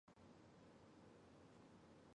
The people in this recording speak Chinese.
区役所设于东本町。